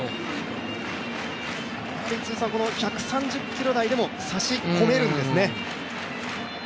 １３０キロ台でも差し込めるんですね。